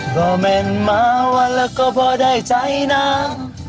ก็แม่นมาวันแล้วก็พอได้ใจนาง